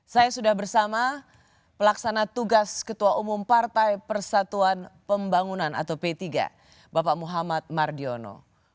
saya sudah bersama pelaksana tugas ketua umum partai persatuan pembangunan atau p tiga bapak muhammad mardiono